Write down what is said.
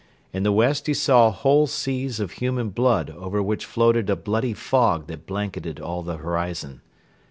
In the west he saw whole seas of human blood over which floated a bloody fog that blanketed all the horizon.